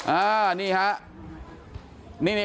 อันนี้ฮะ